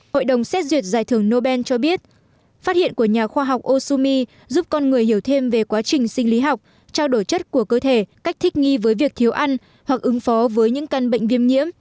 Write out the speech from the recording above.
hội đồng xét duyệt giải thưởng nobel cho biết phát hiện của nhà khoa học osumi giúp con người hiểu thêm về quá trình sinh lý học trao đổi chất của cơ thể cách thích nghi với việc thiếu ăn hoặc ứng phó với những căn bệnh viêm nhiễm